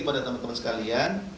kepada teman teman sekalian